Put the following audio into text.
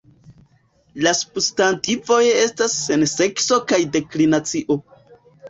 La substantivoj estas sen sekso kaj deklinacio.